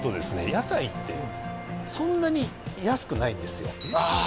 屋台ってそんなに安くないんですよああ